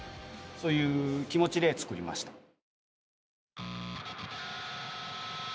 そういう気持ちで作りました。